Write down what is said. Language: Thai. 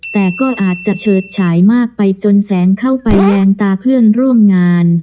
แต่ก็อาจจะเฉิดฉายมากไปจนแสงเข้าไปแรงตาเพื่อนร่วมงาน